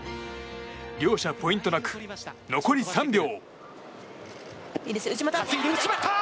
両者ポイントなく残り３秒。